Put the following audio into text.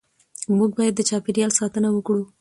موږ باید د چاپېریال ساتنه وکړو